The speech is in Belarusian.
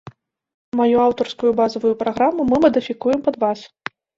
Маю аўтарскую базавую праграму мы мадыфікуем пад вас.